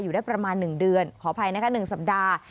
อยู่ได้ประมาณ๑เดือนขออภัยนะคะ๑สัปดาห์